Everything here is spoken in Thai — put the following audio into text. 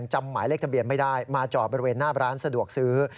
จำหมายเลขทะเบียนไม่ได้มาจอดบริเวณหน้าร้านสะดวกซื้อ